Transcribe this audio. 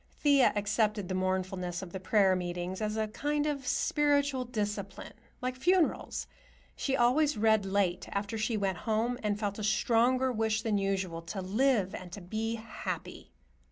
Thea accepted the mournfulness of the prayer meetings as a kind of spiritual discipline, like funerals. She always read late after she went home and felt a stronger wish than usual to live and to be happy.